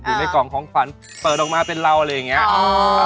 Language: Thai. ในกล่องของขวัญเปิดออกมาเป็นเราอะไรอย่างนี้